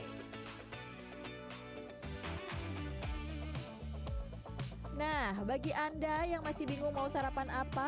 nah bagi anda yang masih bingung mau sarapan apa